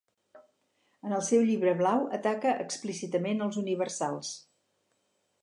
En el seu Llibre Blau ataca explícitament els universals.